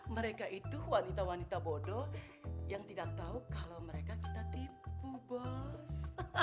mereka itu wanita wanita bodoh yang tidak tahu kalau mereka kita tipu bus